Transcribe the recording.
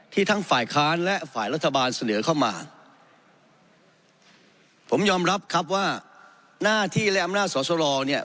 ทั้งฝ่ายค้านและฝ่ายรัฐบาลเสนอเข้ามาผมยอมรับครับว่าหน้าที่และอำนาจสอสรเนี่ย